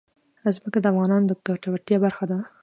ځمکه د افغانانو د ګټورتیا برخه ده.